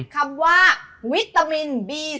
คำว่าวิตามินบี๒